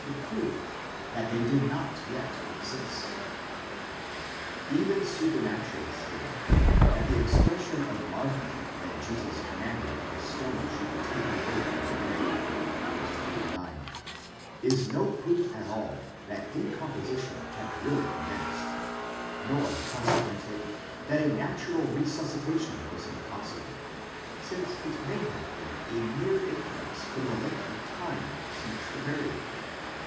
the proof that they did not yet exist. Even supranaturalists admit that the expression of Martha when Jesus commanded that the stone should be taken away from the grave, Κύριε, ἤδη ὄζει (v. 39), is no proof at all that decomposition had really commenced, nor consequently that a natural resuscitation was impossible, since it may have been a mere inference from the length of time since the burial.